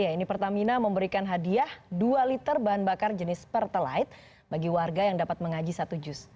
ini pertamina memberikan hadiah dua liter bahan bakar jenis pertalite bagi warga yang dapat mengaji satu jus